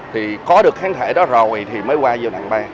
thì có được kháng thể đó rồi thì mới qua giai đoạn ba